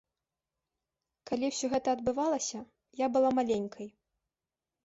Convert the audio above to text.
Калі ўсё гэта адбывалася, я была маленькай.